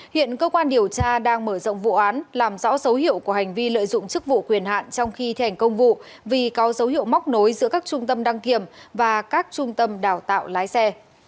hiện cơ quan điều tra đang mở rộng vụ án làm rõ dấu hiệu của hành vi lợi dụng chức vụ quyền hạn trong khi thi hành công vụ vì có dấu hiệu móc nối giữa các trung tâm đăng kiểm và các trung tâm đào tạo lái xe